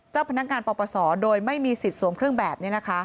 เจ้าพนักการปปสโดยไม่มีสิทธิ์สวมเครื่องแบบ